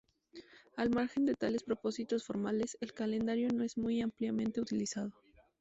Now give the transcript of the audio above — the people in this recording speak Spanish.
Al margen de tales propósitos formales, el calendario no es muy ampliamente utilizado.